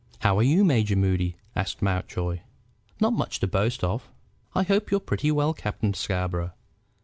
"How are you, Major Moody?" asked Mountjoy. "Not much to boast of. I hope you're pretty well, Captain Scarborough."